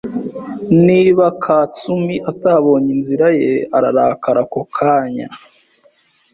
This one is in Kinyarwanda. Niba Katsumi atabonye inzira ye, ararakara ako kanya.